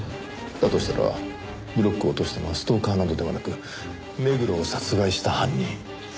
だとしたらブロックを落としたのはストーカーなどではなく目黒を殺害した犯人。